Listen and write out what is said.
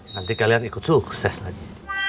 nanti kalian ikut sukses lagi